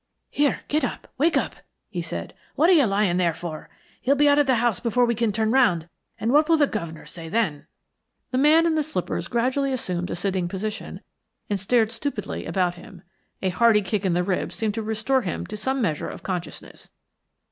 "Here, get up, wake up," he said. "What are you lying there for? He'll be out of the house before we can turn round, and what will the governor say then?" The man in the slippers gradually assumed a sitting position and stared stupidly about him. A hearty kick in the ribs seemed to restore him to some measure of consciousness.